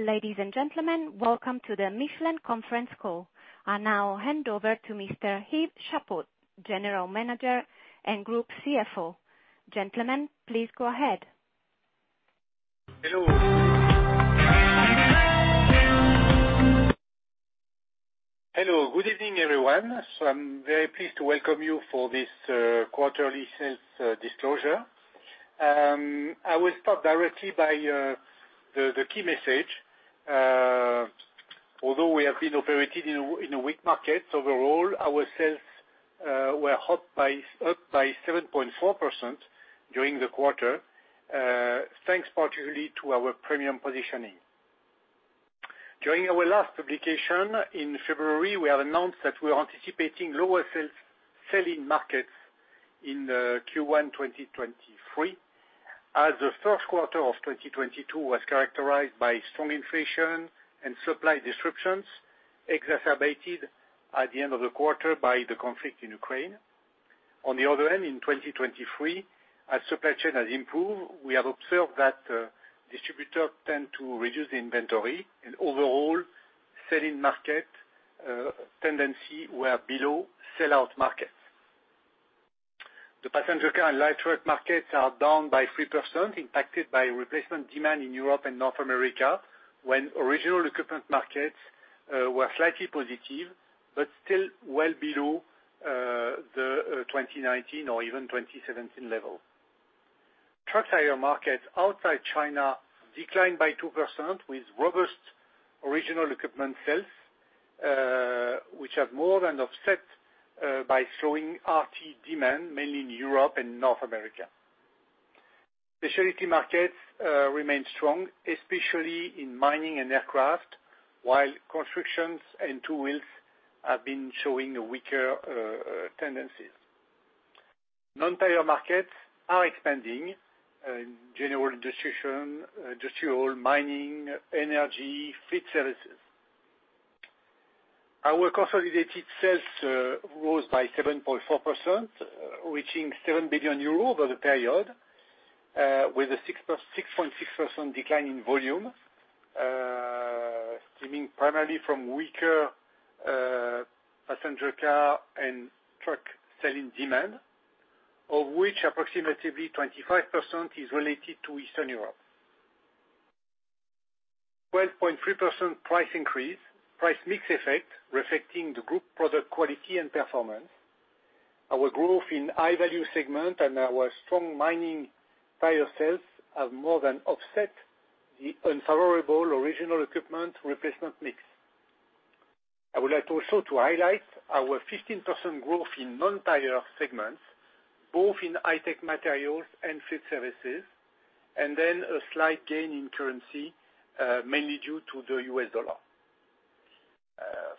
Ladies and gentlemen, welcome to the Michelin conference call. I now hand over to Mr. Yves Chapot, General Manager and Group CFO. Gentlemen, please go ahead. Hello, good evening, everyone. I'm very pleased to welcome you for this quarterly sales disclosure. I will start directly by the key message. Although we have been operating in a weak market overall, our sales were up by 7.4% during the quarter, thanks particularly to our premium positioning. During our last publication in February, we have announced that we are anticipating lower sell-in markets in Q1 2023, as the first quarter of 2022 was characterized by strong inflation and supply disruptions, exacerbated at the end of the quarter by the conflict in Ukraine. On the other hand, in 2023, as supply chain has improved, we have observed that distributors tend to reduce inventory, and overall sell-in market tendency were below sell-out markets. The passenger car and light truck markets are down by 3%, impacted by replacement demand in Europe and North America, when original equipment markets were slightly positive, but still well below the 2019 or even 2017 level. Truck tire markets outside China declined by 2% with robust original equipment sales, which have more than offset by slowing RT demand, mainly in Europe and North America. Specialty markets remain strong, especially in mining and aircraft, while constructions and two-wheels have been showing a weaker tendency. Non-tire markets are expanding in general industry, industrial, mining, energy, fleet services. Our consolidated sales rose by 7.4%, reaching 7 billion euros over the period, with a 6.6% decline in volume, stemming primarily from weaker passenger car and truck sell-in demand, of which approximately 25% is related to Eastern Europe. 12.3% price-mix effect reflecting the group product quality and performance. Our growth in high value segment and our strong mining tire sales have more than offset the unfavorable original equipment replacement mix. I would like to also to highlight our 15% growth in non-tire segments, both in high-tech materials and fleet services, and then a slight gain in currency, mainly due to the US dollar.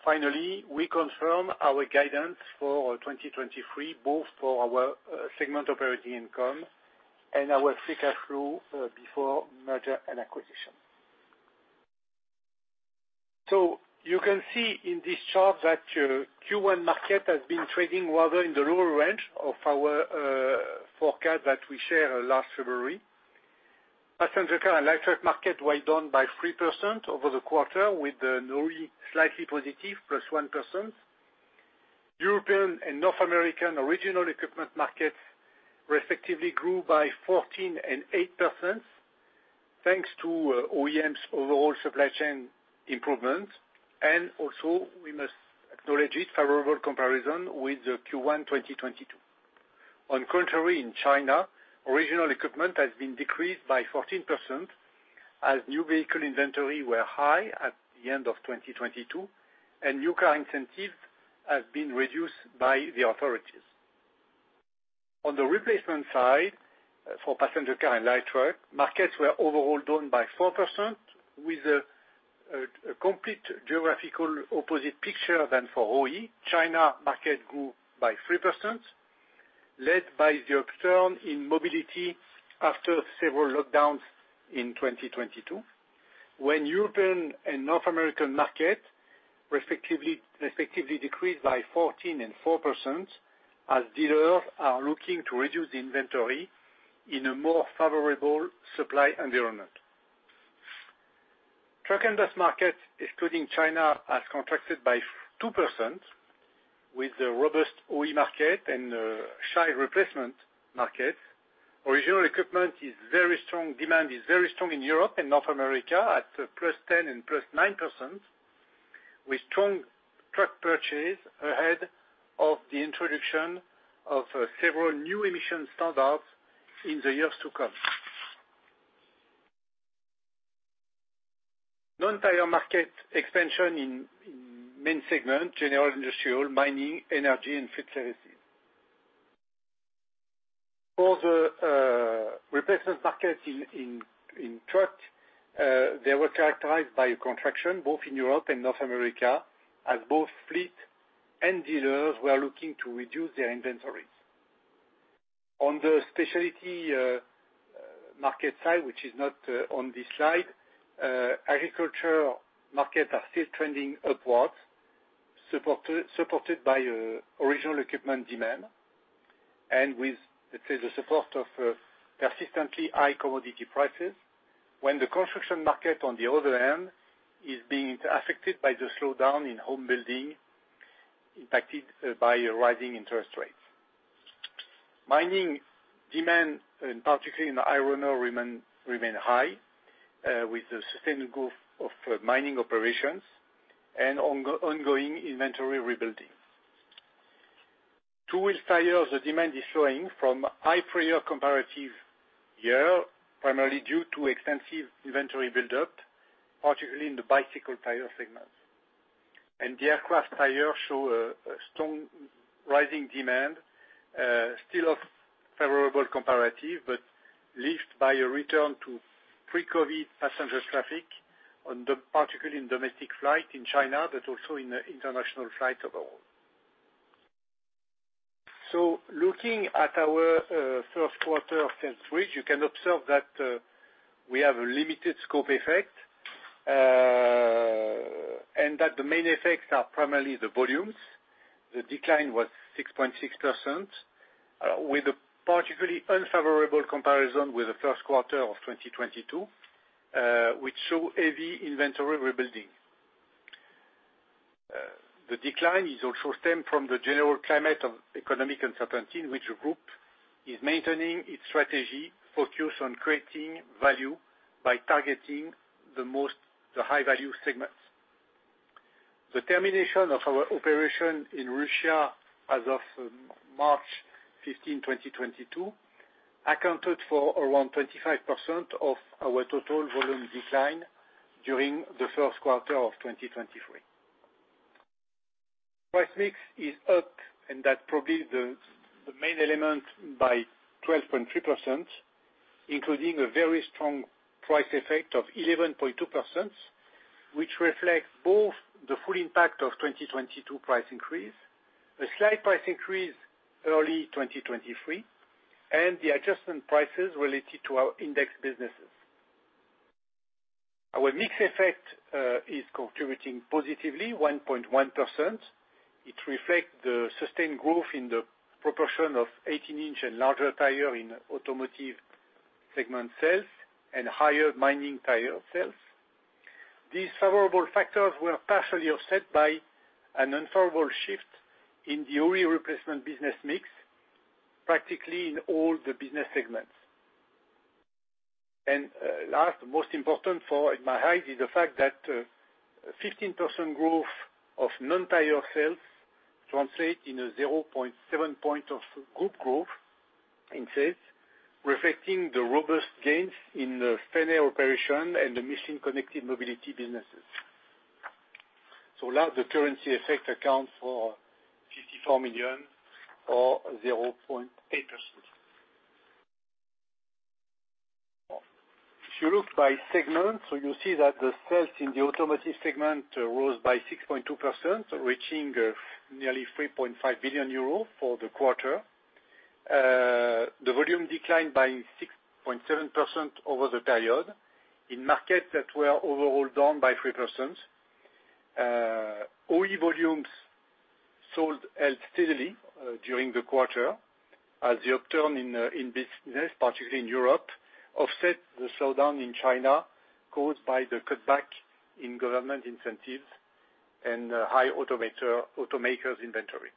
Finally, we confirm our guidance for 2023, both for our segment operating income and our free cash flow before merger and acquisition. You can see in this chart that Q1 market has been trading rather in the lower range of our forecast that we shared last February. Passenger car and light truck market were down by 3% over the quarter with OE slightly positive, +1%. European and North American original equipment markets respectively grew by 14% and 8%, thanks to OEMs' overall supply chain improvement. We must acknowledge this favorable comparison with the Q1 2022. On contrary, in China, original equipment has been decreased by 14% as new vehicle inventory were high at the end of 2022, and new car incentives have been reduced by the authorities. On the replacement side, for passenger car and light truck, markets were overall down by 4% with a complete geographical opposite picture than for OE. China market grew by 3%, led by the upturn in mobility after several lockdowns in 2022. European and North American market respectively decreased by 14% and 4% as dealers are looking to reduce inventory in a more favorable supply environment. Truck and bus market, excluding China, has contracted by 2% with the robust OE market and shy replacement market. Original equipment is very strong, demand is very strong in Europe and North America at +10% and +9%, with strong truck purchase ahead of the introduction of several new emission standards in the years to come. Non-tire market expansion in main segment, general, industrial, mining, energy and fleet services. For the replacement market in truck, they were characterized by a contraction both in Europe and North America, as both fleet and dealers were looking to reduce their inventories. On the specialty market side, which is not on this slide, agriculture markets are still trending upwards, supported by original equipment demand, and with, let's say, the support of persistently high commodity prices, when the construction market, on the other hand, is being affected by the slowdown in home building, impacted by rising interest rates. Mining demand, and particularly in iron ore, remain high, with the sustained growth of mining operations and ongoing inventory rebuilding. Two-wheel tires, the demand is slowing from high prior comparative year, primarily due to extensive inventory build-up, particularly in the bicycle tire segments. The aircraft tire show a strong rising demand, still of favorable comparative, but lift by a return to pre-COVID passenger traffic particularly in domestic flight in China, but also in international flight overall. Looking at our first quarter of sales mix, you can observe that we have a limited scope effect, and that the main effects are primarily the volumes. The decline was 6.6%, with a particularly unfavorable comparison with the first quarter of 2022, which show heavy inventory rebuilding. The decline is also stemmed from the general climate of economic uncertainty in which the group is maintaining its strategy focused on creating value by targeting the high-value segments. The termination of our operation in Russia as of March 15, 2022 accounted for around 25% of our total volume decline during the first quarter of 2023. Price mix is up, and that probably the main element by 12.3%, including a very strong price effect of 11.2%, which reflects both the full impact of 2022 price increase, a slight price increase early 2023, and the adjustment prices related to our index businesses. Our mix effect is contributing positively 1.1%. It reflects the sustained growth in the proportion of 18-inch and larger tire in automotive segment sales and higher mining tire sales. These favorable factors were partially offset by an unfavorable shift in the OE replacement business mix, practically in all the business segments. Last, most important for in my eyes is the fact that 15% growth of non-tire sales translate in a 0.7 point of group growth in sales, reflecting the robust gains in the Fenner operation and the MICHELIN Connected Mobility businesses. Last, the currency effect accounts for 54 million or 0.8%. If you look by segment, you see that the sales in the automotive segment rose by 6.2%, reaching nearly 3.5 billion euros for the quarter. The volume declined by 6.7% over the period in markets that were overall down by 3%. OE volumes sold healthily during the quarter as the upturn in business, particularly in Europe, offset the slowdown in China caused by the cutback in government incentives and high automakers inventory.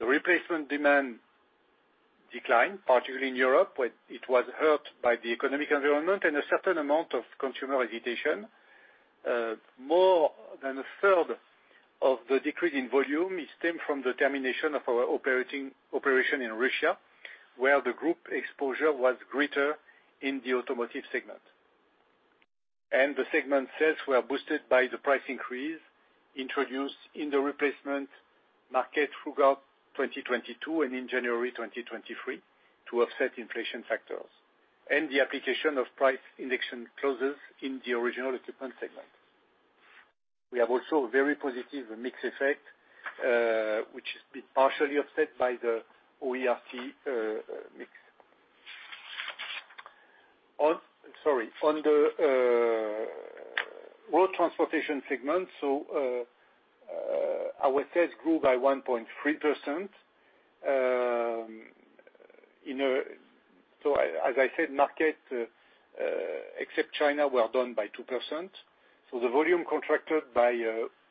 The replacement demand declined, particularly in Europe, where it was hurt by the economic environment and a certain amount of consumer hesitation. More than a third of the decrease in volume is stemmed from the termination of our operation in Russia, where the group exposure was greater in the automotive segment. The segment sales were boosted by the price increase introduced in the replacement market throughout 2022 and in January 2023 to offset inflation factors and the application of price indexation clauses in the original equipment segment. We have also a very positive mix effect, which has been partially offset by the OE/RT mix. On the road transportation segment, so, our sales grew by 1.3%, as I said, markets, except China were down by 2%. The volume contracted by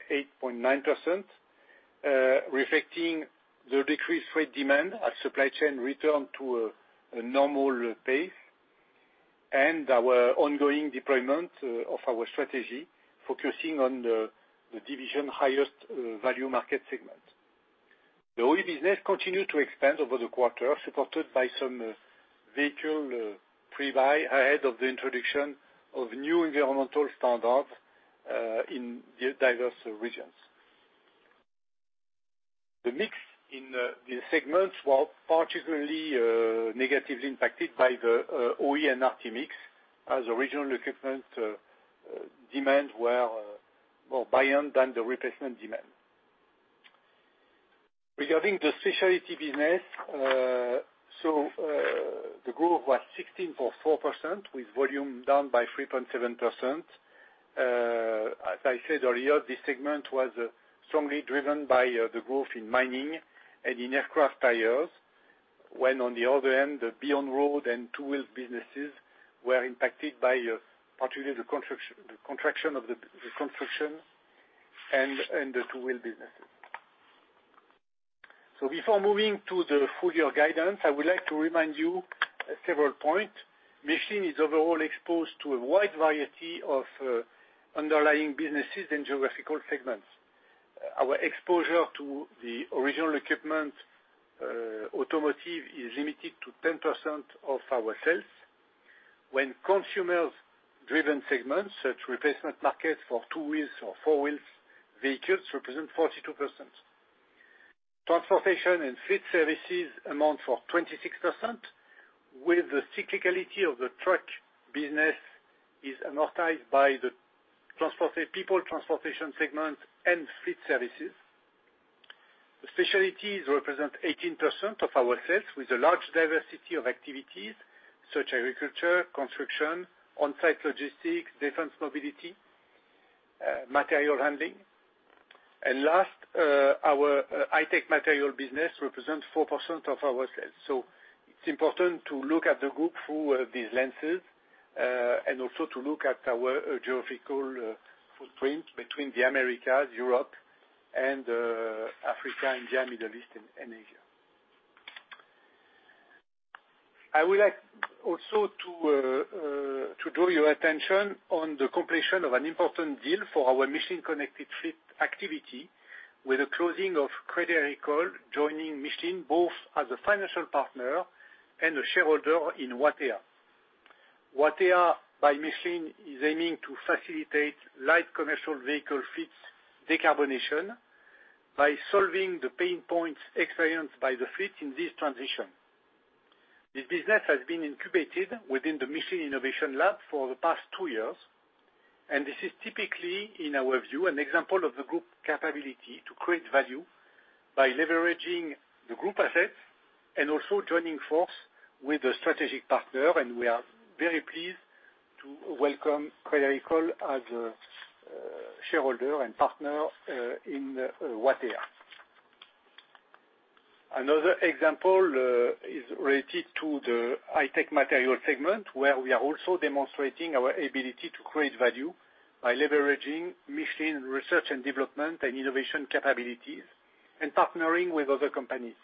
8.9%, reflecting the decreased freight demand as supply chain returned to a normal pace and our ongoing deployment of our strategy focusing on the division highest value market segment. The OE business continued to expand over the quarter, supported by some vehicle pre-buy ahead of the introduction of new environmental standards in the diverse regions. The mix in these segments were particularly negatively impacted by the OE and RT mix as original equipment demand were more buoyant than the replacement demand. Regarding the specialty business, the growth was 16.4% with volume down by 3.7%. As I said earlier, this segment was strongly driven by the growth in mining and in aircraft tires, when on the other hand, the beyond road and two-wheeled businesses were impacted by particularly the contraction of the construction and the two-wheeled businesses. Before moving to the full year guidance, I would like to remind you several point. Michelin is overall exposed to a wide variety of underlying businesses and geographical segments. Our exposure to the original equipment automotive is limited to 10% of our sales. When consumers driven segments such replacement markets for two wheels or four wheels vehicles represent 42%. Transportation and fleet services amount for 26% with the cyclicality of the truck business is amortized by the people transportation segment and fleet services. The specialties represent 18% of our sales with a large diversity of activities such agriculture, construction, on-site logistics, defense mobility, material handling. Our high-tech material business represents 4% of our sales. It's important to look at the group through these lenses, and also to look at our geographical footprint between the Americas, Europe and Africa and the Middle East and Asia. To draw your attention on the completion of an important deal for our MICHELIN Connected Fleet activity with the closing of Crédit Agricole joining Michelin both as a financial partner and a shareholder in Watèa. Watèa by Michelin is aiming to facilitate light commercial vehicle fleet decarbonization by solving the pain points experienced by the fleet in this transition. This business has been incubated within the Michelin Innovation Lab for the past two years, this is typically, in our view, an example of the group capability to create value by leveraging the group assets and also joining force with a strategic partner. We are very pleased to welcome Crédit Agricole as a shareholder and partner in Watèa. Another example is related to the high-tech material segment, where we are also demonstrating our ability to create value by leveraging Michelin research and development and innovation capabilities and partnering with other companies.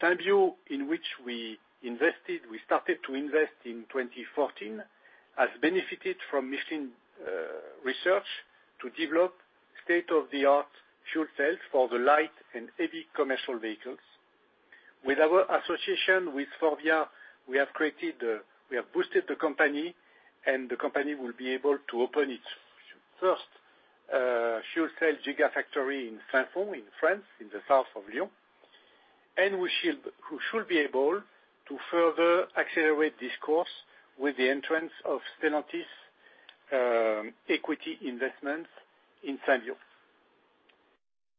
Symbio, in which we invested, we started to invest in 2014, has benefited from Michelin research to develop state-of-the-art fuel cells for the light and heavy commercial vehicles. With our association with Faurecia, we have boosted the company, the company will be able to open its first fuel cell gigafactory in Saint-Fons in France, in the south of Lyon. We should be able to further accelerate this course with the entrance of Stellantis equity investments in Symbio.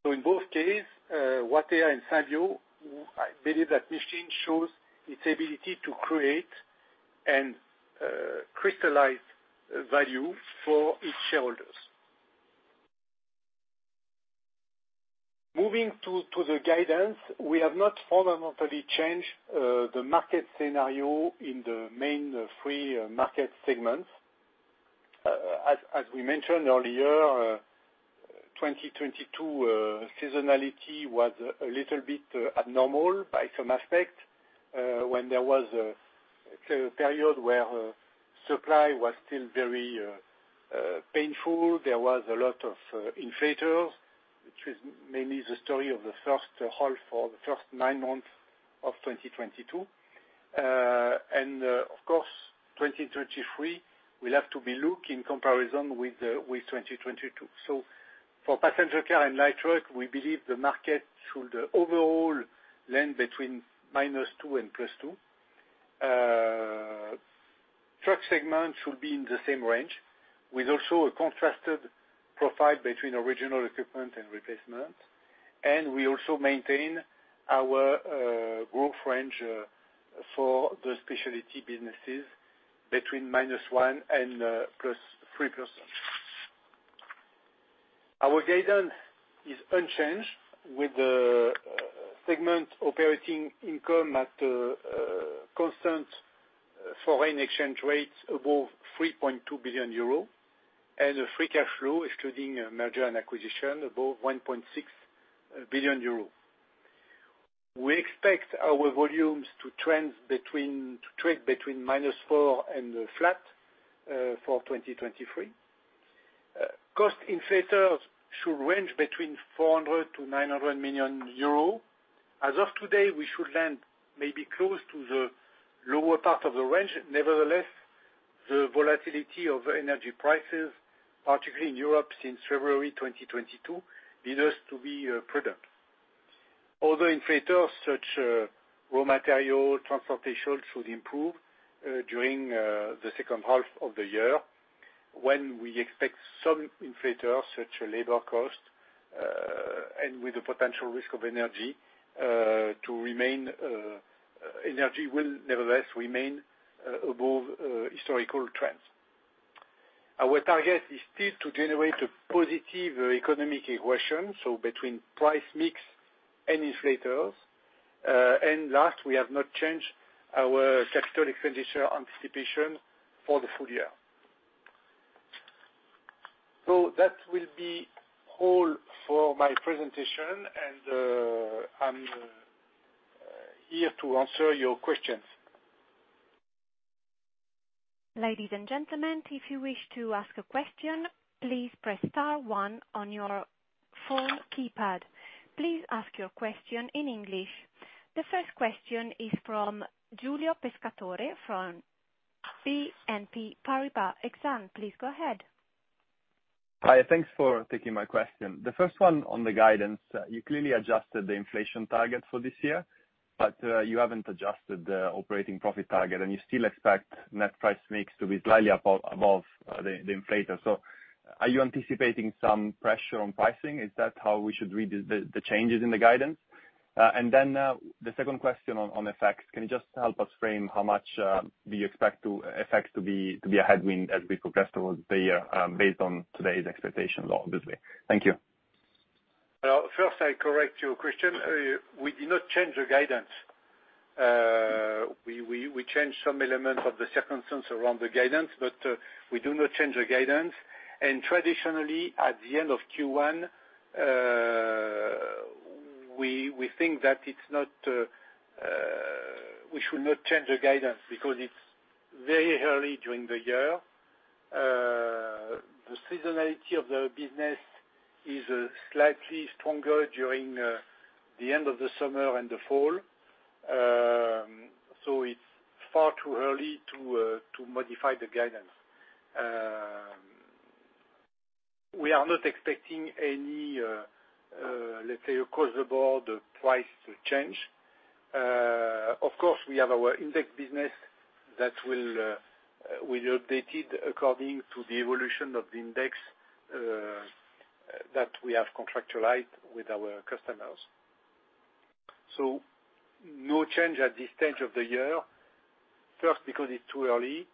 In both case, Watèa and Symbio, I believe that Michelin shows its ability to create and crystallize value for its shareholders. Moving to the guidance, we have not fundamentally changed the market scenario in the main three market segments. As we mentioned earlier, 2022 seasonality was a little bit abnormal by some aspect, when there was a period where supply was still very painful. There was a lot of inflators, which was mainly the story of the first half or the first nine months of 2022. Of course, 2023 will have to be look in comparison with 2022. For passenger car and light truck, we believe the market should overall land between -2% and +2%. Truck segment should be in the same range with also a contrasted profile between original equipment and replacement. We also maintain our growth range for the specialty businesses between -1% and +3%. Our guidance is unchanged with the segment operating income at a constant foreign exchange rates above 3.2 billion euro, and a free cash flow excluding M&A above 1.6 billion euro. We expect our volumes to trend between -4% and flat for 2023. Cost inflators should range between 400 million-900 million euros. As of today, we should land maybe close to the lower part of the range. Nevertheless, the volatility of energy prices, particularly in Europe since February 2022, lead us to be prudent. Other inflators such raw material, transportation should improve during the second half of the year. When we expect some inflator, such as labor cost, and with the potential risk of energy, to remain, energy will nevertheless remain above historical trends. Our target is still to generate a positive economic equation, so between price-mix and inflators. Last, we have not changed our CapEx anticipation for the full year. That will be all for my presentation, and I'm here to answer your questions. Ladies and gentlemen, if you wish to ask a question, please press star one on your phone keypad. Please ask your question in English. The first question is from Giulio Pescatore, from BNP Paribas Exane. Please go ahead. Hi, thanks for taking my question. The first one on the guidance, you clearly adjusted the inflation target for this year, but you haven't adjusted the operating profit target, and you still expect net price-mix to be slightly above the inflator. Are you anticipating some pressure on pricing? Is that how we should read the changes in the guidance? The second question on effects, can you just help us frame how much do you expect effects to be a headwind as we progress towards the year, based on today's expectations obviously? Thank you. First, I correct your question. We did not change the guidance. We changed some elements of the circumstances around the guidance, but we do not change the guidance. Traditionally, at the end of Q1, we think that it's not, we should not change the guidance because it's very early during the year. The seasonality of the business is slightly stronger during the end of the summer and the fall, so it's far too early to modify the guidance. We are not expecting any, let's say, across the board price change. Of course, we have our index business that will be updated according to the evolution of the index that we have contractualized with our customers. No change at this stage of the year. First, because it's too early.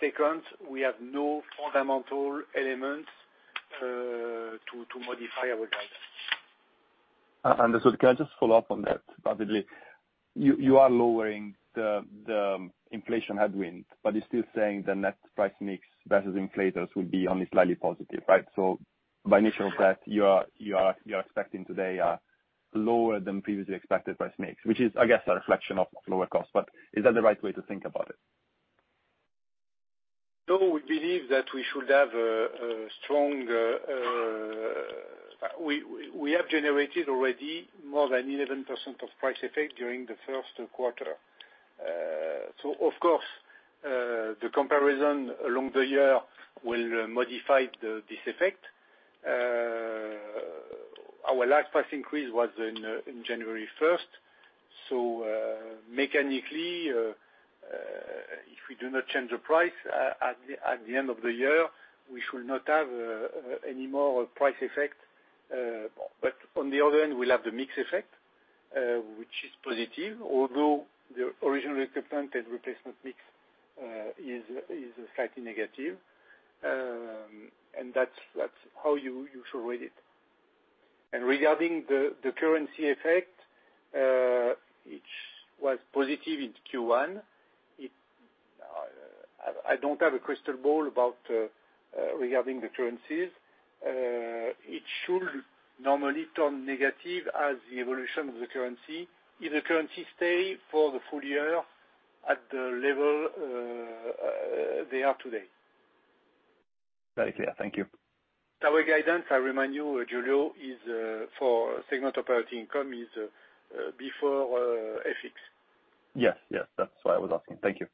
Second, we have no fundamental elements to modify our guidance. Understood. Can I just follow up on that? Probably you are lowering the inflation headwind, but you're still saying the net price-mix versus inflators will be only slightly positive, right? By nature of that, you are expecting today a lower than previously expected price-mix, which is, I guess, a reflection of lower cost. Is that the right way to think about it? We believe that we should have a strong we have generated already more than 11% of price effect during the first quarter. Of course, the comparison along the year will modify this effect. Our last price increase was in January 1st. Mechanically, if we do not change the price at the end of the year, we should not have any more price effect. On the other hand, we'll have the mix effect, which is positive, although the original equipment and replacement mix is slightly negative. That's how you should read it. Regarding the currency effect, which was positive in Q1. I don't have a crystal ball about regarding the currencies. It should normally turn negative as the evolution of the currency, if the currency stay for the full year at the level, they are today. Very clear. Thank you. Our guidance, I remind you, Giulio, is for segment operating income, is before FX. Yes. Yes. That's why I was asking. Thank you.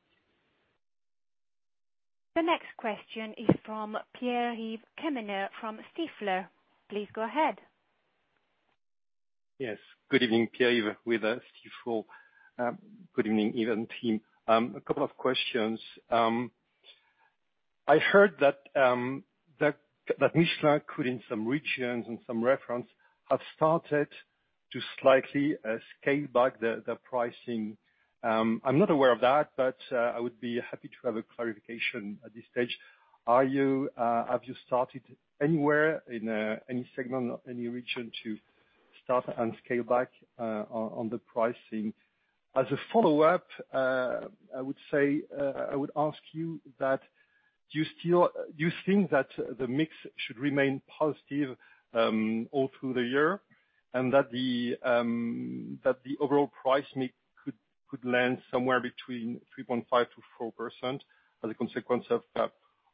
The next question is from Pierre-Yves Quemener from Stifel. Please go ahead. Yes. Good evening. Pierre-Yves with Stifel. Good evening, Yves and team. A couple of questions. I heard that Michelin could in some regions and some reference have started to slightly scale back the pricing. I'm not aware of that, but I would be happy to have a clarification at this stage. Have you started anywhere in any segment or any region to start and scale back on the pricing? As a follow-up, I would say, I would ask you that, do you think that the mix should remain positive all through the year, and that the overall price-mix could land somewhere between 3.5%-4% as a consequence of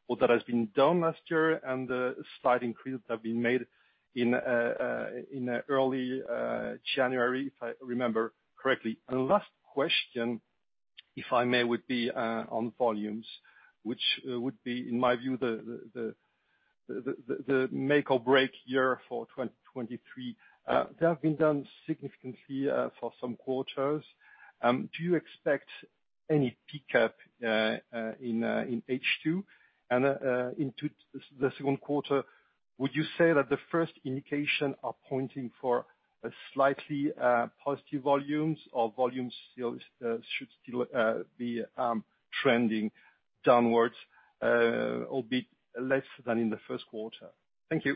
what has been done last year and the slight increase that have been made in early January, if I remember correctly? Last question, if I may, would be on volumes, which would be, in my view, the make or break year for 2023, they have been down significantly for some quarters. Do you expect any pickup in H2? Into the second quarter, would you say that the first indication are pointing for a slightly positive volumes or volumes should still be trending downwards or be less than in the first quarter? Thank you.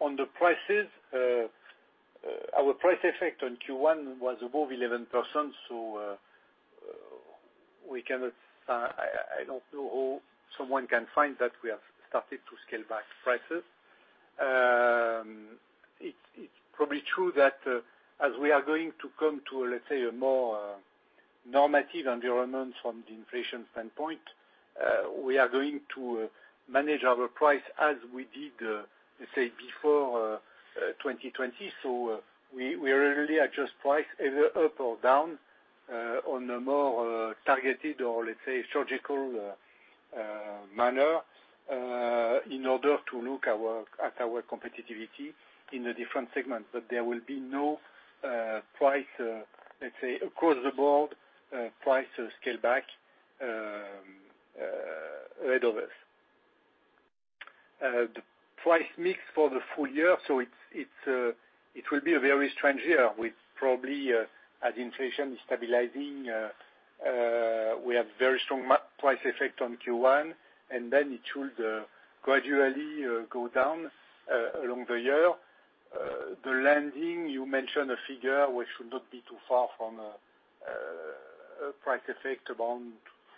On the prices, our price effect on Q1 was above 11%. We cannot, I don't know how someone can find that we have started to scale back prices. It's probably true that, as we are going to come to, let's say, a more normative environment from the inflation standpoint, we are going to manage our price as we did, let's say, before 2020. We rarely adjust price either up or down, on a more targeted or, let's say, surgical manner, in order to look at our competitivity in the different segments. There will be no price, let's say, across the board, price scale back re-dos. The full year, so it's a very strange year with probably, as inflation is stabilizing, we have very strong price effect on Q1, and then it should gradually go down along the year. The landing, you mentioned a figure which should not be too far from a price effect around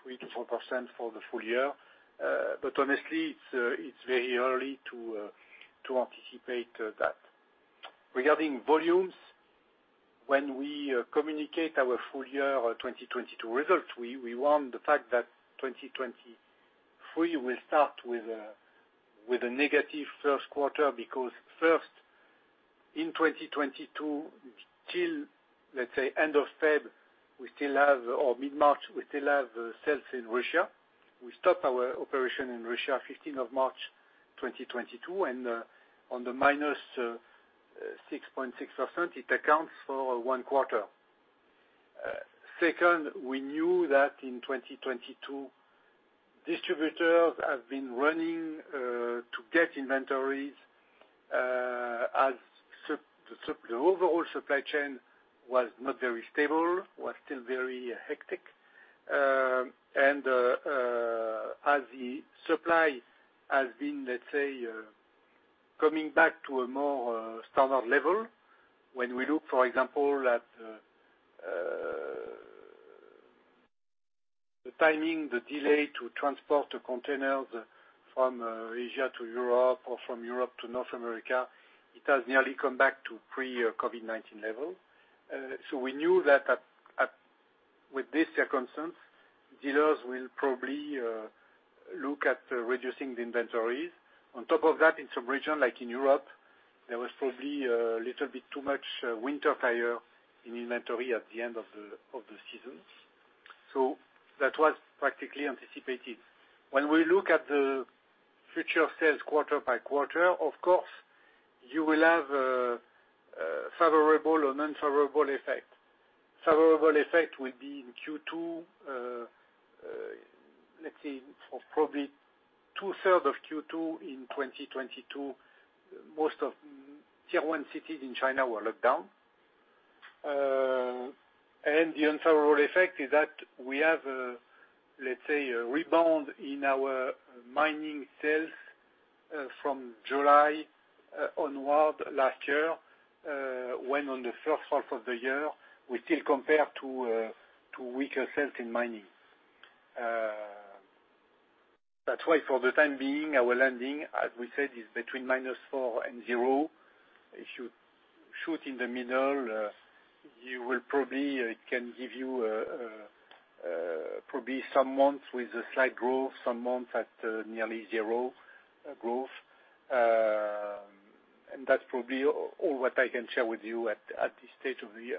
3%-4% for the full year. But honestly, it's very early to anticipate that. Regarding volumes, when we communicate our full year 2022 results, we want the fact that 2023 will start with a negative first quarter because first, in 2022 till, let's say, end of February, we still have or mid-March, we still have sales in Russia We stopped our operation in Russia 15 of March 2022, on the minus 6.6%, it accounts for one quarter. Second, we knew that in 2022, distributors have been running to get inventories as the overall supply chain was not very stable, was still very hectic. As the supply has been, let's say, coming back to a more standard level, when we look, for example, at the timing, the delay to transport the containers from Asia to Europe or from Europe to North America, it has nearly come back to pre-COVID-19 level. We knew that at with this circumstance, dealers will probably look at reducing the inventories. On top of that, in some region, like in Europe, there was probably a little bit too much winter tire in inventory at the end of the season. That was practically anticipated. When we look at the future sales quarter by quarter, of course, you will have favorable or unfavorable effect. Favorable effect will be in Q2, let's say for probably two-third of Q2 in 2022. Most of tier one cities in China were locked down. The unfavorable effect is that we have, let's say, a rebound in our mining sales, from July onward last year, when on the first half of the year we still compare to weaker sales in mining. For the time being, our landing, as we said, is between -4% and 0%. It should shoot in the middle. You will probably, it can give you, probably some months with a slight growth, some months at nearly zero growth. That's probably all what I can share with you at this stage of the year.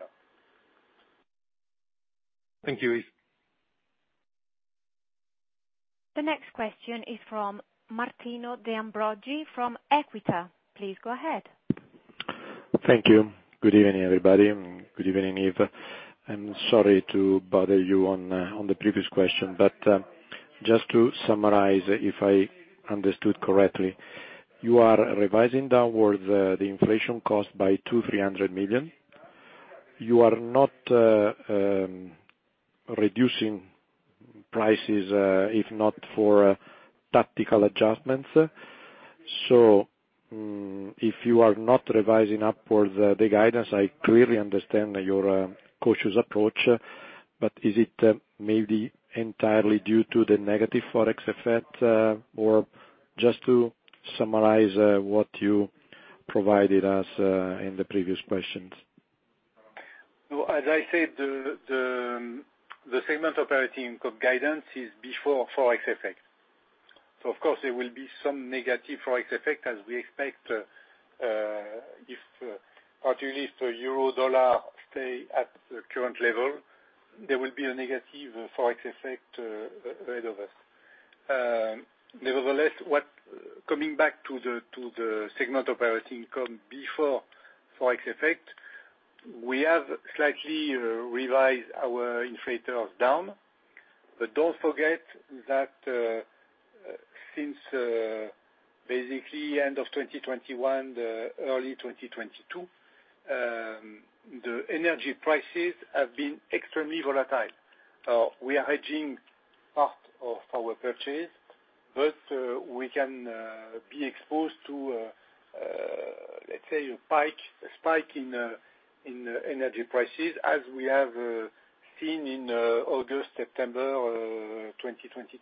Thank you, Yves. The next question is from Martino De Ambroggi from Equita. Please go ahead. Thank you. Good evening, everybody, and good evening, Yves. I'm sorry to bother you on on the previous question, but just to summarize, if I understood correctly, you are revising downwards the inflation cost by 200 million-300 million. You are not reducing prices, if not for tactical adjustments. If you are not revising upwards the guidance, I clearly understand your cautious approach, but is it maybe entirely due to the negative Forex effect or just to summarize what you provided us in the previous questions? As I said, the segment operating guidance is before Forex effect. Of course, there will be some negative Forex effect as we expect, if particularly if the Euro dollar stay at the current level, there will be a negative Forex effect ahead of us. Nevertheless, coming back to the segment operating income before Forex effect, we have slightly revised our inflators down. Don't forget that, since basically end of 2021, the early 2022, the energy prices have been extremely volatile. We are hedging part of our purchase, but we can be exposed to let's say a spike in energy prices as we have seen in August, September 2022.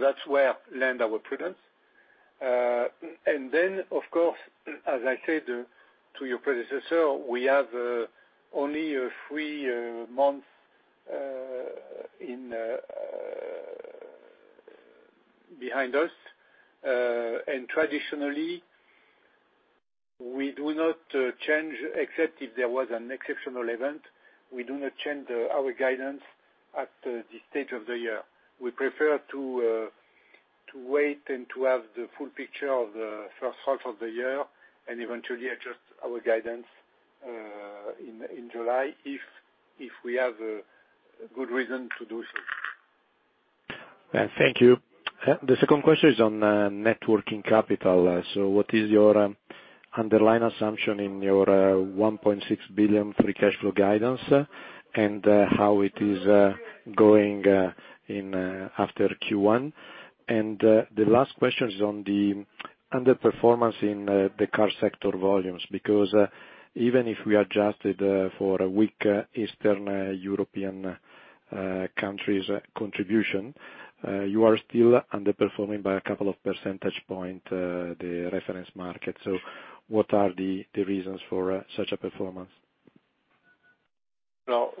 That's where land our prudence. Of course, as I said to your predecessor, we have only a three months in behind us. Traditionally, we do not change, except if there was an exceptional event. We do not change our guidance at this stage of the year. We prefer to wait and to have the full picture of the first half of the year and eventually adjust our guidance in July if we have a good reason to do so. Thank you. The second question is on networking capital. What is your underlying assumption in your 1.6 billion free cash flow guidance, and how it is going in after Q1? The last question is on the underperformance in the car sector volumes. Because even if we adjusted for a weak Eastern European countries contribution, you are still underperforming by a couple of percentage point the reference market. What are the reasons for such a performance?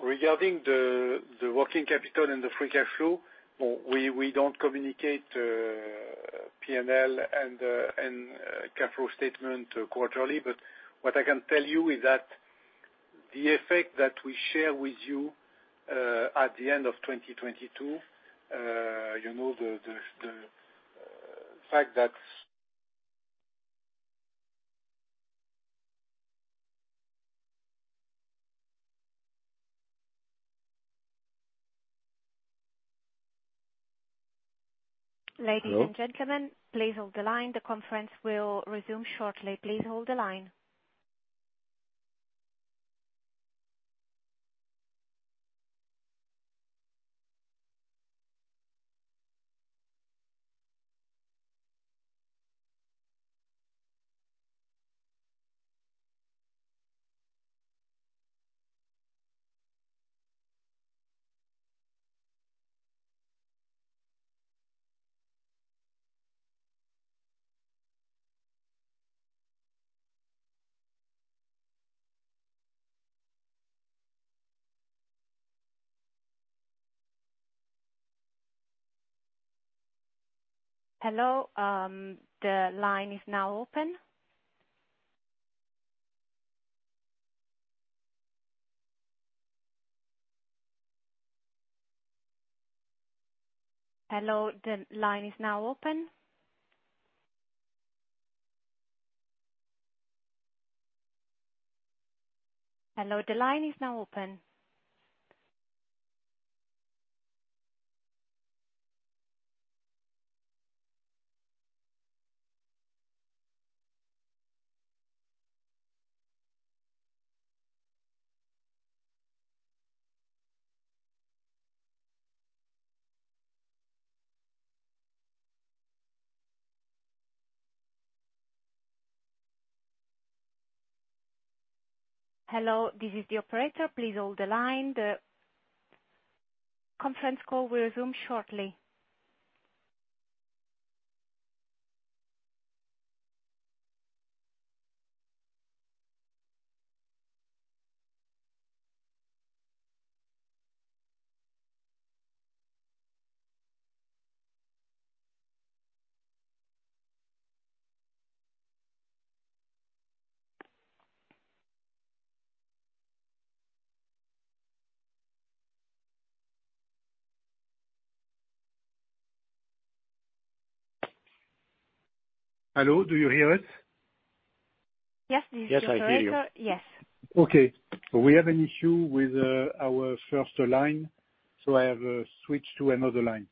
Regarding the working capital and the free cash flow, we don't communicate PNL and cash flow statement quarterly. What I can tell you is that the effect that we share with you at the end of 2022, you know. Ladies and gentlemen, please hold the line. The conference will resume shortly. Please hold the line. Hello, the line is now open. Hello, the line is now open. Hello, the line is now open. Hello, this is the operator. Please hold the line. The conference call will resume shortly. Hello, do you hear us? Yes, this is the operator. Yes, I hear you. Yes. Okay. We have an issue with our first line. I have switched to another line.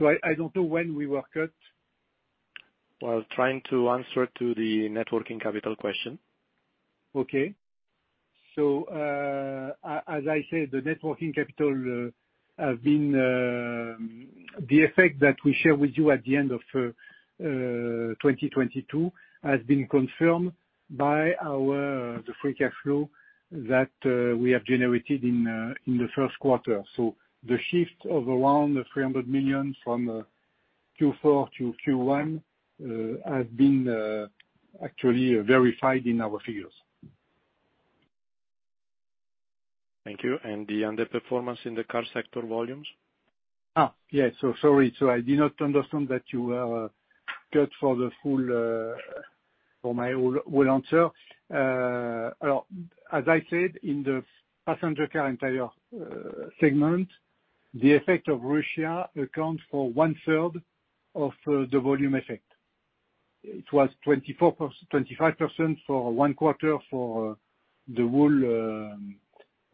I don't know when we were cut. I was trying to answer to the networking capital question. Okay. as I said, The effect that we share with you at the end of 2022 has been confirmed by our, the free cash flow that we have generated in the first quarter. The shift of around 300 million from Q4 to Q1 has been actually verified in our figures. Thank you. The underperformance in the car sector volumes? Yeah. Sorry. I did not understand that you were cut for the full, for my whole answer. Well, as I said, in the passenger car entire segment, the effect of Russia accounts for one-third of the volume effect. It was 25% for one quarter for the whole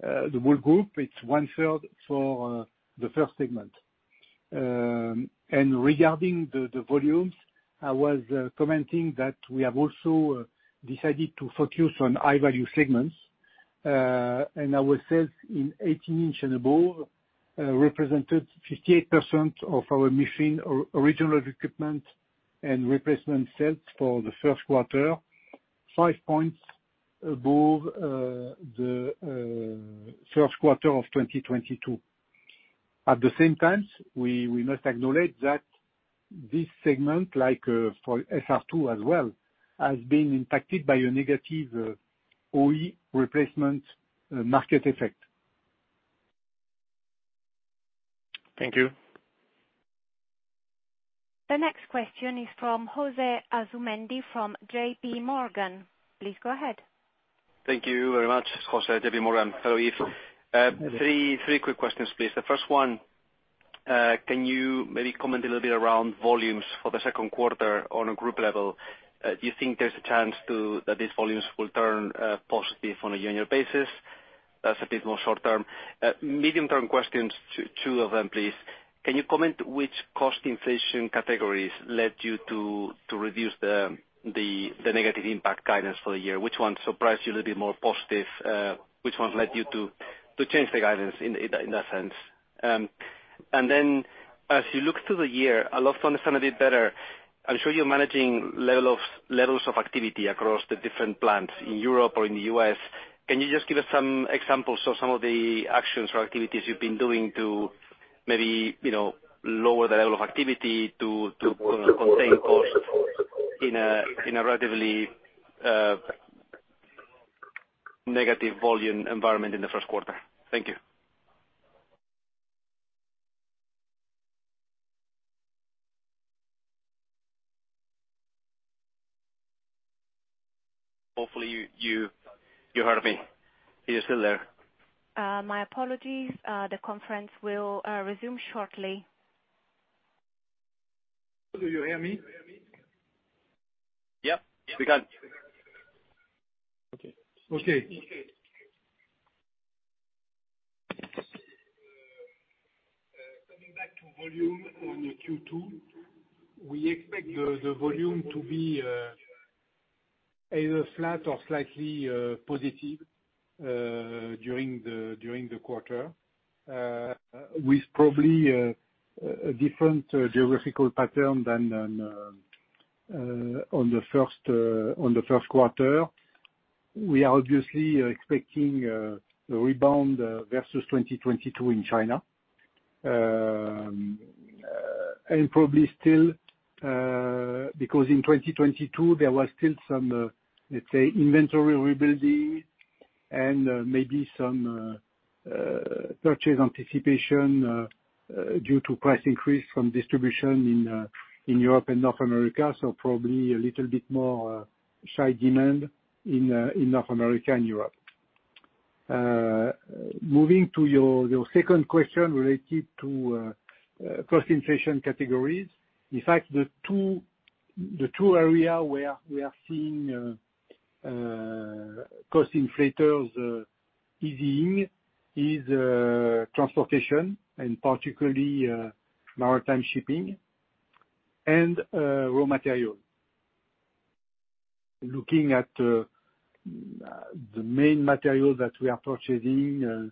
group. It's one-third for the first segment. Regarding the volumes, I was commenting that we have also decided to focus on high value segments. Our sales in 18-inch and above represented 58% of our Michelin original equipment and replacement sales for the first quarter. 5 points above the first quarter of 2022. At the same time, we must acknowledge that this segment, like, for FR2 as well, has been impacted by a negative OE replacement market effect. Thank you. The next question is from José Asumendi, from JP Morgan. Please go ahead. Thank you very much. José, JP Morgan. Hello, Yves. Hello. Three quick questions, please. The first one, can you maybe comment a little bit around volumes for the second quarter on a group level? Do you think there's a chance that these volumes will turn positive on a year-on-year basis? That's a bit more short term. Medium term questions, two of them, please. Can you comment which cost inflation categories led you to reduce the negative impact guidance for the year? Which ones surprised you a little bit more positive? Which ones led you to change the guidance in that sense? As you look through the year, I'd love to understand a bit better. I'm sure you're managing levels of activity across the different plants in Europe or in the U.S. Can you just give us some examples of some of the actions or activities you've been doing to maybe, you know, lower the level of activity to contain costs in a, in a relatively negative volume environment in the first quarter? Thank you. Hopefully, you heard me. Are you still there? My apologies. The conference will resume shortly. Do you hear me? Yeah, we can. Okay. Okay. Coming back to volume on Q2, we expect the volume to be either flat or slightly positive during the quarter. With probably a different geographical pattern than on the first quarter. We are obviously expecting a rebound versus 2022 in China. Probably still because in 2022, there was still some, let's say, inventory rebuilding and maybe some purchase anticipation due to price increase from distribution in Europe and North America. Probably a little bit more shy demand in North America and Europe. Moving to your second question related to cost inflation categories. In fact, the two area where we are seeing cost inflators easing is transportation, and particularly maritime shipping and raw materials. Looking at the main material that we are purchasing,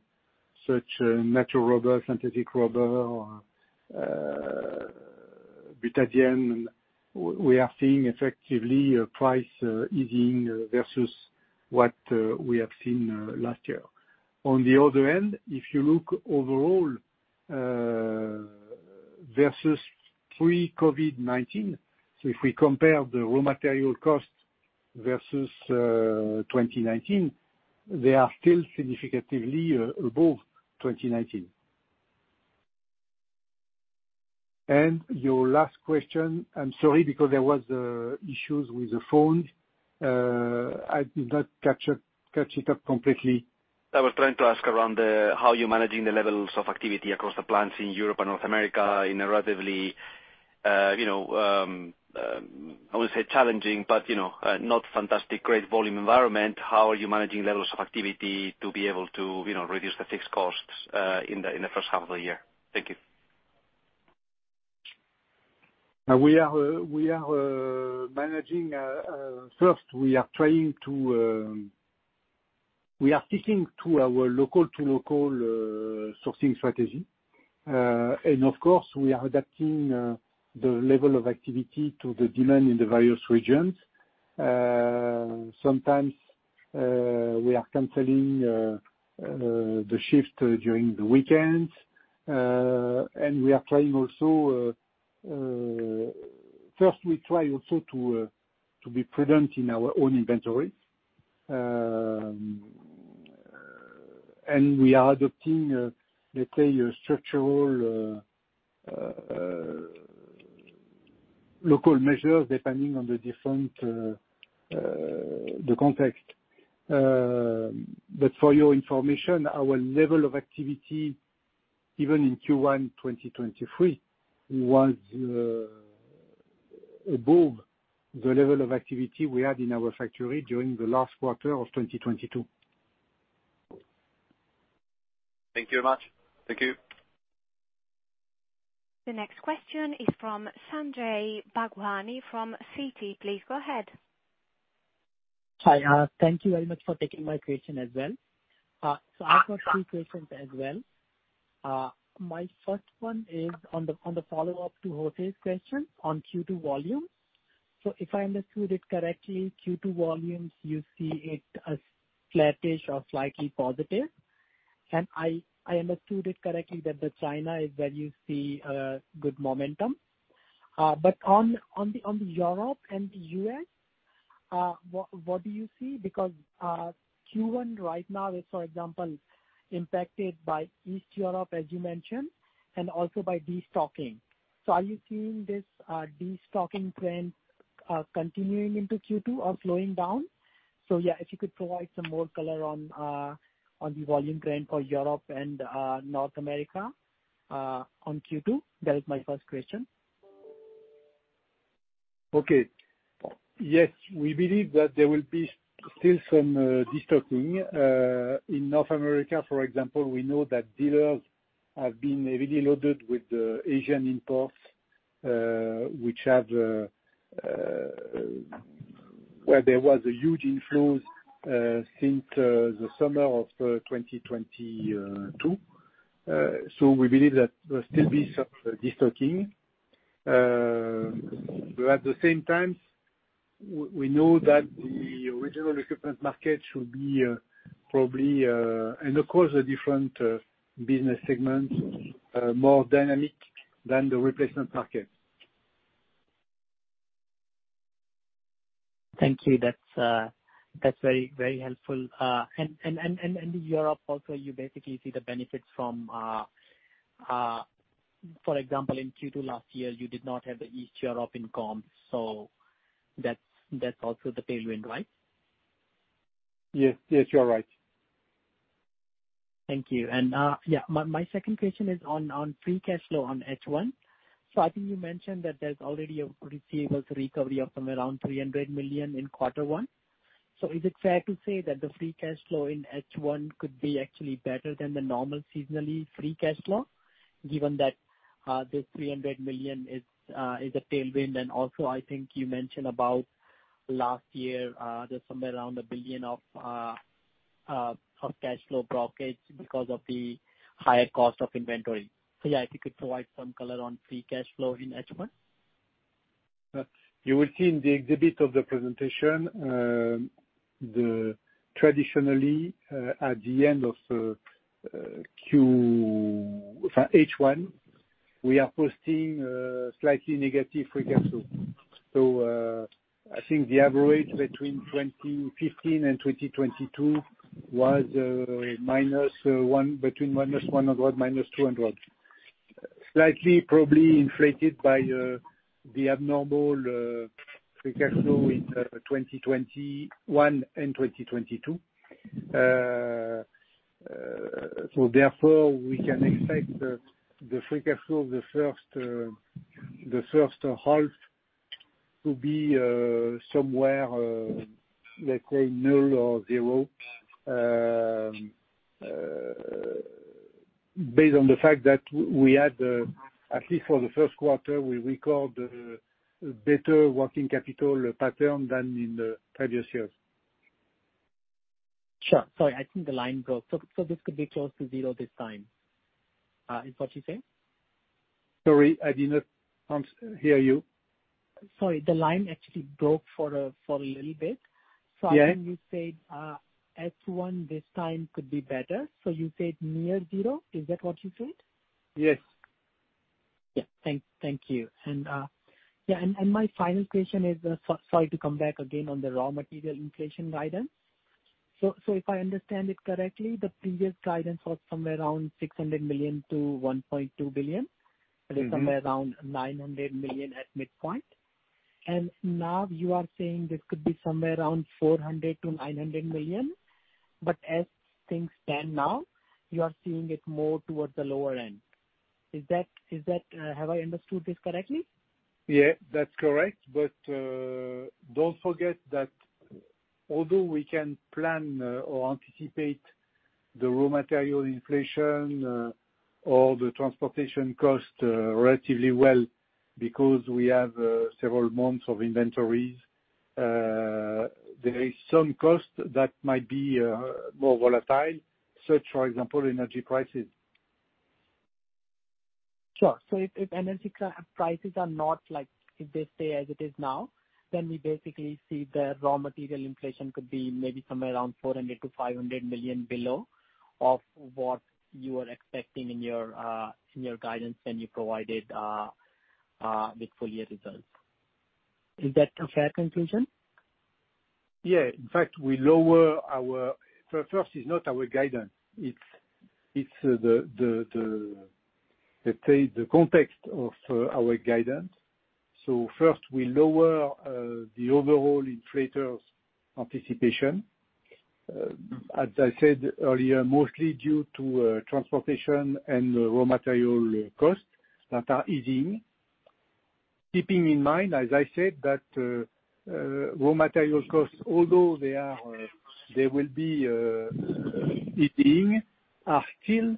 such natural rubber, synthetic rubber or butadiene, we are seeing effectively a price easing versus what we have seen last year. On the other end, if you look overall versus pre-COVID-19, so if we compare the raw material costs versus 2019, they are still significantly above 2019. Your last question, I'm sorry, because there was issues with the phone. I did not catch it up completely. I was trying to ask around, how you're managing the levels of activity across the plants in Europe and North America in a relatively, you know, I wouldn't say challenging, but you know, not fantastic growth volume environment. How are you managing levels of activity to be able to, you know, reduce the fixed costs in the first half of the year? Thank you. We are managing. We are sticking to our local-to-local sourcing strategy. And of course, we are adapting the level of activity to the demand in the various regions. Sometimes, we are canceling the shift during the weekends. First, we try also to be prudent in our own inventory. And we are adopting, let's say your structural local measures depending on the different context. But for your information, our level of activity, even in Q1 2023, was above the level of activity we had in our factory during the last quarter of 2022. Thank you very much. Thank you. The next question is from Sanjay Bhagwani from Citi. Please go ahead. Hi. Thank you very much for taking my question as well. I've got three questions as well. My first one is on the follow-up to José's question on Q2 volumes. If I understood it correctly, Q2 volumes, you see it as flattish or slightly positive. I understood it correctly that the China is where you see good momentum. On the Europe and the U.S., what do you see? Because Q1 right now is, for example, impacted by East Europe, as you mentioned, and also by destocking. Are you seeing this destocking trend continuing into Q2 or slowing down? Yeah, if you could provide some more color on the volume trend for Europe and North America on Q2. That is my first question. Okay. Yes. We believe that there will be still some destocking. In North America, for example, we know that dealers have been heavily loaded with the Asian imports, which have where there was a huge inflows since the summer of 2022. We believe that there'll still be some destocking. At the same time, we know that the original equipment market should be probably and of course the different business segments more dynamic than the replacement market. Thank you. That's very helpful. Europe also, you basically see the benefits from, for example, in Q2 last year, you did not have the East Europe in com, so that's also the tailwind, right? Yes. Yes, you are right. Thank you. My second question is on free cash flow on H1. I think you mentioned that there's already a receivables recovery of some around 300 million in Q1. Is it fair to say that the free cash flow in H1 could be actually better than the normal seasonally free cash flow, given that this 300 million is a tailwind? I think you mentioned about last year, there's somewhere around 1 billion of cash flow brokerage because of the higher cost of inventory. If you could provide some color on free cash flow in H1. You will see in the exhibit of the presentation, the traditionally, at the end of H1, we are posting, slightly negative free cash flow. I think the average between 2015 and 2022 was, minus, -1, between -100, -200. Slightly probably inflated by, the abnormal, free cash flow in, 2021 and 2022. Therefore, we can expect the free cash flow of the first, the first half to be, somewhere, let's say null or zero, based on the fact that we had, at least for the first quarter, we record, better working capital pattern than in the previous years. Sure. Sorry, I think the line broke. This could be close to zero this time, is what you're saying? Sorry, I did not hear you. Sorry, the line actually broke for a little bit. Yeah. I think you said, H1 this time could be better. You said near zero. Is that what you said? Yes. Yeah. Thank you. My final question is, sorry to come back again on the raw material inflation guidance. If I understand it correctly, the previous guidance was somewhere around 600 million-1.2 billion. Mm-hmm. It's somewhere around 900 million at midpoint. Now you are saying this could be somewhere around 400 million-900 million. As things stand now, you are seeing it more towards the lower end. Is that, have I understood this correctly? Yeah, that's correct. Don't forget that although we can plan or anticipate the raw material inflation or the transportation cost relatively well because we have several months of inventories, there is some costs that might be more volatile, for example, energy prices. Sure. If energy prices stay as it is now, we basically see the raw material inflation could be maybe somewhere around 400 million-500 million below of what you are expecting in your guidance when you provided the full year results. Is that a fair conclusion? Yeah. In fact, we lower our... First, it's not our guidance, it's the, let's say, the context of our guidance. First, we lower the overall inflators anticipation. As I said earlier, mostly due to transportation and raw material costs that are easing. Keeping in mind, as I said, that raw material costs, although they are, they will be easing, are still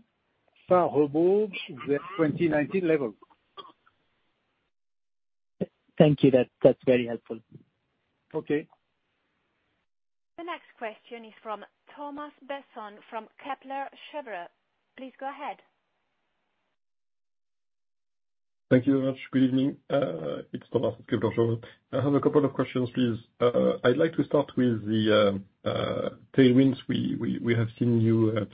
far above the 2019 level. Thank you. That's very helpful. Okay. The next question is from Thomas Besson from Kepler Cheuvreux. Please go ahead. Thank you very much. Good evening. It's Thomas from Kepler Cheuvreux. I have a couple of questions, please. I'd like to start with the tailwinds we have seen you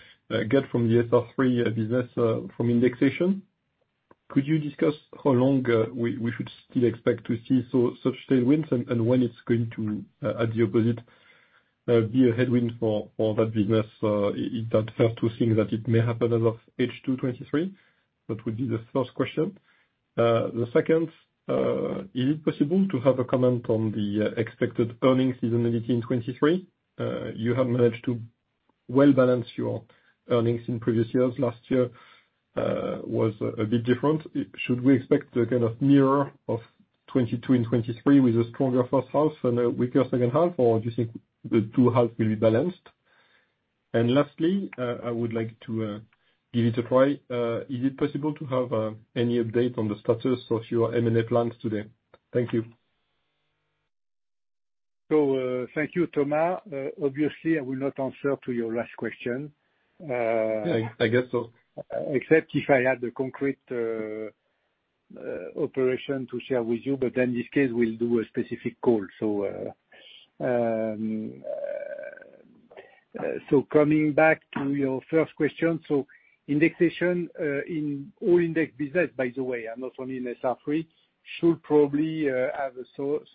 get from the SR3 business from indexation. Could you discuss how long we should still expect to see such tailwinds and when it's going to, at the opposite, be a headwind for that business? Is that fair to think that it may happen as of H2 2023? That would be the first question. The second, is it possible to have a comment on the expected earnings seasonality in 2023? You have managed to well balance your earnings in previous years. Last year was a bit different. Should we expect a kind of mirror of 2022 and 2023 with a stronger first half and a weaker second half, or do you think the two halves will be balanced? Lastly, I would like to give it a try. Is it possible to have any update on the status of your M&A plans today? Thank you. Thank you, Thomas. Obviously, I will not answer to your last question. I guess so.... except if I had a concrete operation to share with you, but then this case we'll do a specific call. Coming back to your first question. Indexation, in all index business by the way, and not only in SR3, should probably have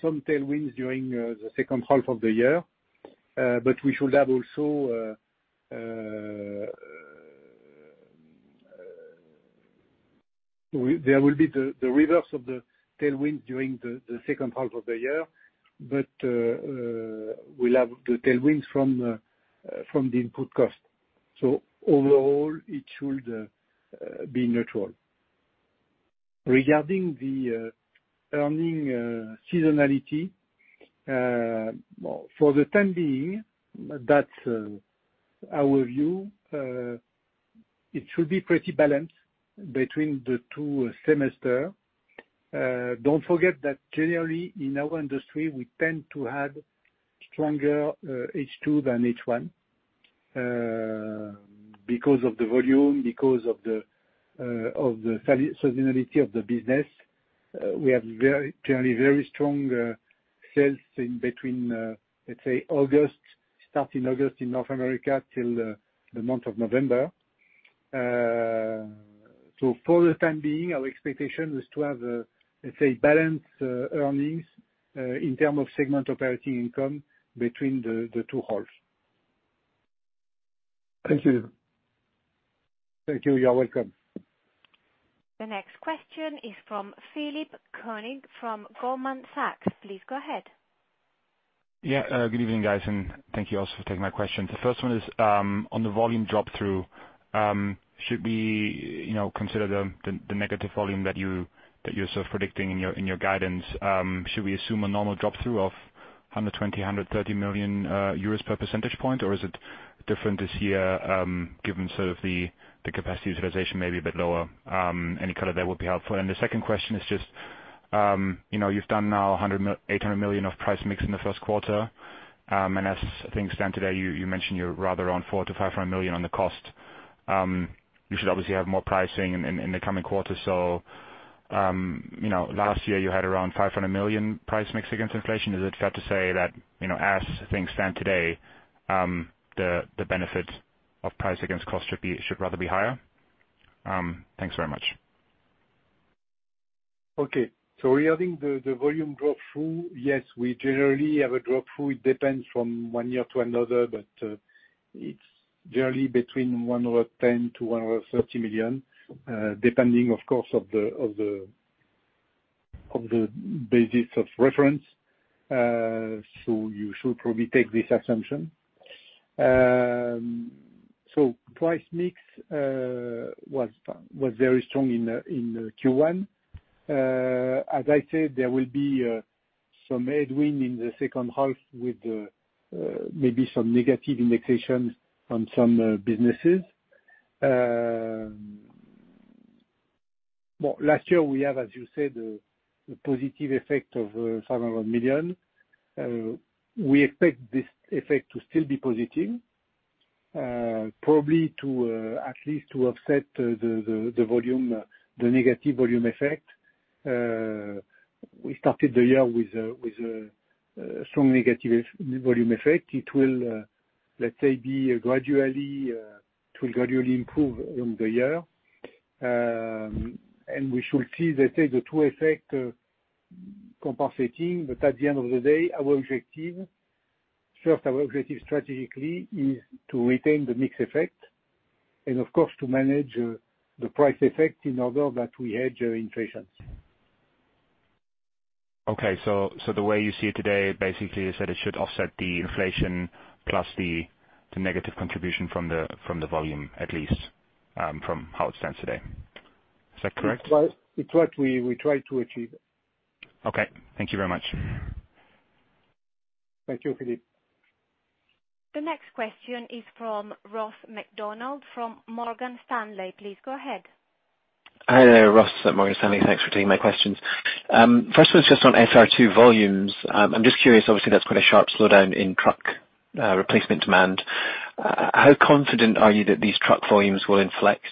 some tailwinds during the second half of the year. We should have also, there will be the reverse of the tailwind during the second half of the year, but we'll have the tailwinds from the input cost. Overall, it should be neutral. Regarding the earning seasonality, for the time being, that's our view. It should be pretty balanced between the two semester. Don't forget that generally in our industry, we tend to have stronger H2 than H1 because of the volume, because of the seasonality of the business. We have very, generally very strong sales in between let's say August, starting August in North America till the month of November. So for the time being, our expectation is to have let's say balanced earnings in term of segment operating income between the two halves. Thank you. Thank you. You're welcome. The next question is from Philipp Koenig from Goldman Sachs. Please go ahead. Yeah. Good evening, guys, and thank you also for taking my question. The first one is, on the volume drop through, should we, you know, consider the negative volume that you're sort of predicting in your guidance, should we assume a normal drop-through of 120 million-130 million euros per percentage point, or is it different this year, given sort of the capacity utilization may be a bit lower? Any color there would be helpful. The second question is just, you know, you've done now 800 million of price-mix in the first quarter. As things stand today, you mentioned you're rather around 400 million-500 million on the cost. You should obviously have more pricing in the coming quarters. You know, last year you had around 500 million price mix against inflation. Is it fair to say that, you know, as things stand today, the benefits of price against cost should rather be higher? Thanks very much. Regarding the volume drop through, yes, we generally have a drop through. It depends from one year to another, but it's generally between 110 million-130 million, depending of course of the, of the, of the basis of reference. Price mix was very strong in Q1. As I said, there will be some headwind in the second half with maybe some negative indexations on some businesses. Well, last year we have, as you said, a positive effect of 500 million. We expect this effect to still be positive. Probably to at least to offset the, the volume, the negative volume effect. We started the year with a, with a strong negative volume effect. It will, let's say be gradually, it will gradually improve on the year. We should see, let's say the two effect, compensating, but at the end of the day, our objective, first, our objective strategically is to retain the mix effect and of course, to manage, the price effect in order that we hedge our inflation. Okay. The way you see it today, basically is that it should offset the inflation plus the negative contribution from the volume at least, from how it stands today. Is that correct? It's what we try to achieve. Okay. Thank you very much. Thank you, Philipp. The next question is from Ross MacDonald from Morgan Stanley. Please go ahead. Hi there, Ross at Morgan Stanley. Thanks for taking my questions. First one's just on SR2 volumes. I'm just curious, obviously, that's quite a sharp slowdown in truck replacement demand. How confident are you that these truck volumes will inflect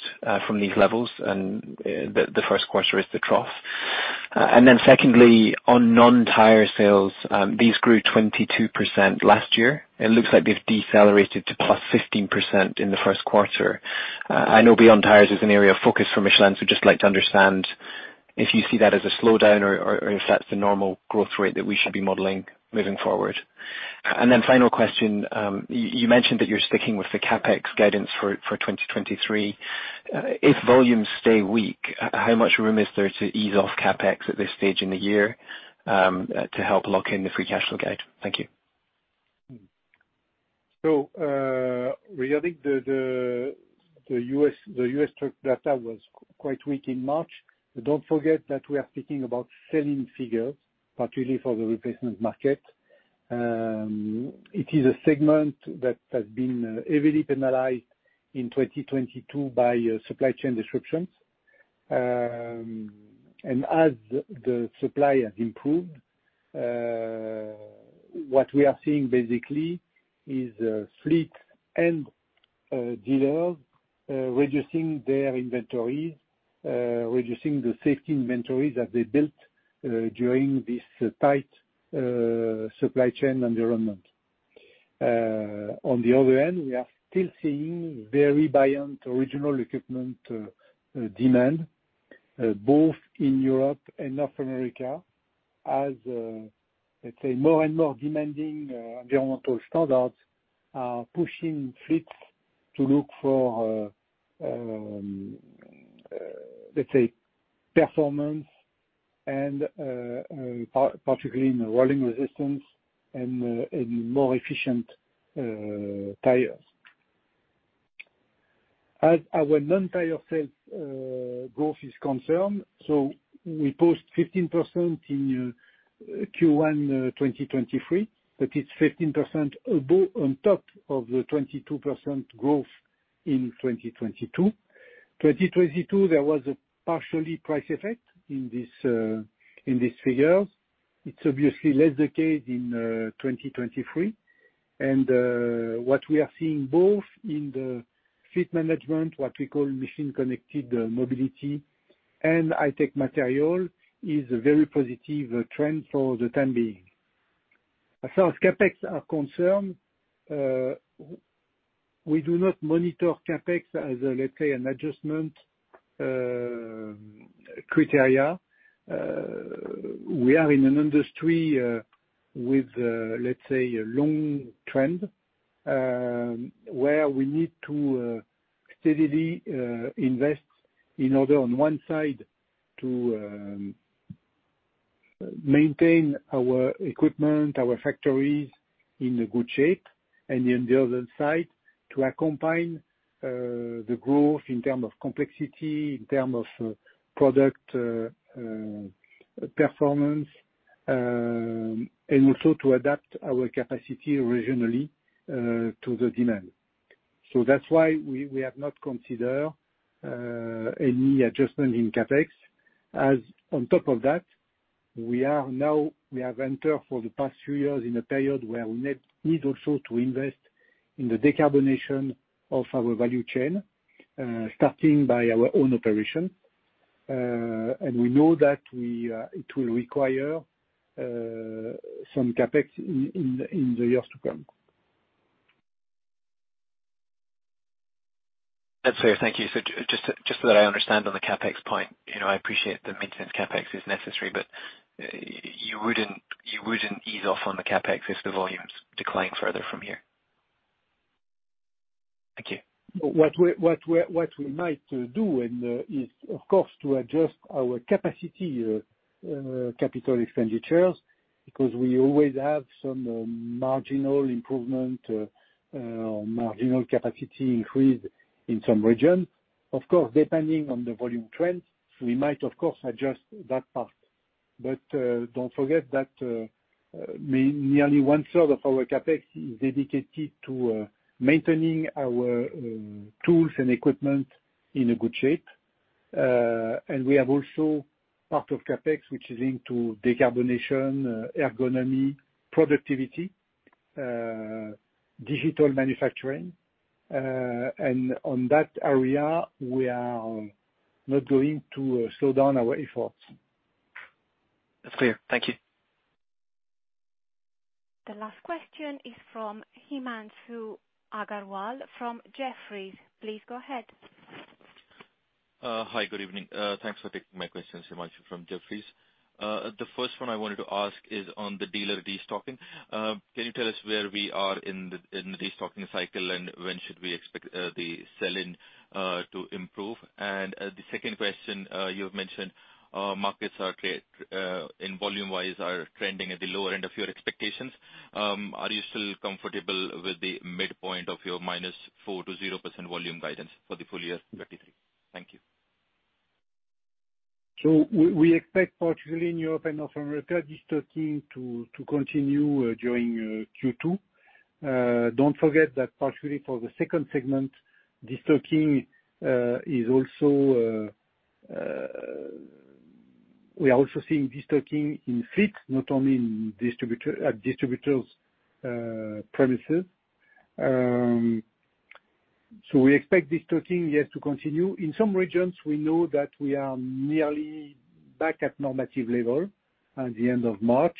from these levels and the first quarter is the trough? Secondly, on non-tire sales, these grew 22% last year. It looks like they've decelerated to +15% in the first quarter. I know beyond tires is an area of focus for Michelin, so just like to understand if you see that as a slowdown or if that's the normal growth rate that we should be modeling moving forward. Final question, you mentioned that you're sticking with the CapEx guidance for 2023. If volumes stay weak, how much room is there to ease off CapEx at this stage in the year, to help lock in the free cash flow guide? Thank you. Regarding the U.S., the U.S. truck data was quite weak in March. Don't forget that we are speaking about selling figures, particularly for the replacement market. It is a segment that has been heavily penalized in 2022 by supply chain disruptions. As the supply has improved, what we are seeing basically is fleet and dealers reducing their inventory, reducing the safety inventory that they built during this tight supply chain environment. On the other end, we are still seeing very buoyant original equipment demand both in Europe and North America as, let's say, more and more demanding environmental standards are pushing fleets to look for, let's say, performance and particularly in the rolling resistance and in more efficient tires. As our non-tire sales growth is concerned, we post 15% in Q1 2023, that is 15% above on top of the 22% growth in 2022. 2022, there was a partially price effect in this in this figures. It's obviously less the case in 2023. What we are seeing both in the fleet management, what we call machine-connected mobility and high-tech material is a very positive trend for the time being. As far as CapEx are concerned, we do not monitor CapEx as let's say an adjustment criteria. We are in an industry with let's say a long trend where we need to steadily invest in order on one side to maintain our equipment, our factories in a good shape. The other side, to combine the growth in term of complexity, in term of product performance, and also to adapt our capacity regionally to the demand. That's why we have not considered any adjustment in CapEx. As on top of that, we are now, we have entered for the past few years in a period where we need also to invest in the decarbonization of our value chain, starting by our own operation. We know that we it will require some CapEx in the years to come. That's fair. Thank you. Just, just so that I understand on the CapEx point, you know, I appreciate the maintenance CapEx is necessary, but you wouldn't, you wouldn't ease off on the CapEx if the volumes decline further from here? Thank you. What we might do and is of course to adjust our capacity capital expenditures because we always have some marginal improvement marginal capacity increase in some region. Of course, depending on the volume trends, we might of course adjust that part. Don't forget that nearly one third of our CapEx is dedicated to maintaining our tools and equipment in a good shape. We have also part of CapEx, which is into decarbonization, ergonomy, productivity, digital manufacturing. On that area, we are not going to slow down our efforts. That's clear. Thank you. The last question is from Himanshu Agarwal from Jefferies. Please go ahead. Hi, good evening. Thanks for taking my question. Himanshu from Jefferies. The first one I wanted to ask is on the dealer destocking. Can you tell us where we are in the destocking cycle, when should we expect the selling to improve? The second question, you have mentioned markets are in volume-wise, are trending at the lower end of your expectations. Are you still comfortable with the midpoint of your -4% to 0% volume guidance for the full year 2033? Thank you. We expect, particularly in Europe and North America, destocking to continue during Q2. Don't forget that partially for the second segment, destocking is also, we are also seeing destocking in fleet, not only at distributors' premises. We expect destocking, yes, to continue. In some regions, we know that we are nearly back at normative level at the end of March.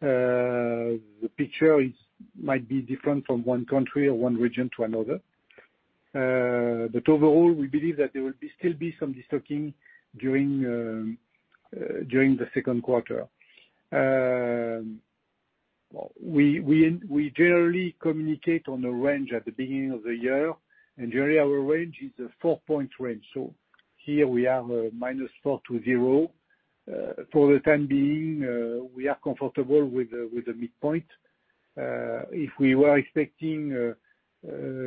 The picture might be different from one country or one region to another. Overall, we believe that there will still be some destocking during the second quarter. We generally communicate on a range at the beginning of the year, and generally our range is a 4-point range. Here we have a -4 to 0. For the time being, we are comfortable with the midpoint. If we were expecting to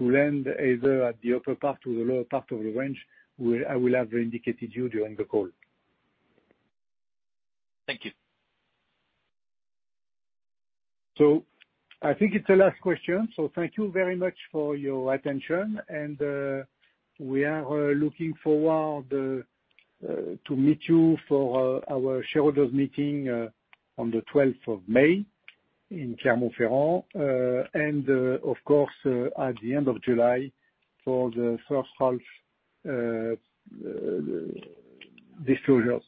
land either at the upper part or the lower part of the range, I would have indicated you during the call. Thank you. I think it's the last question. Thank you very much for your attention. We are looking forward to meet you for our shareholders meeting on the 12th of May in Clermont-Ferrand, and, of course, at the end of July for the first half disclosures.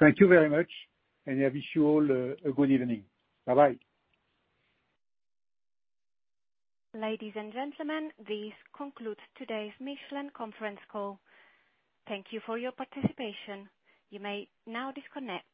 Thank you very much, and I wish you all a good evening. Bye-bye. Ladies and gentlemen, this concludes today's Michelin conference call. Thank you for your participation. You may now disconnect.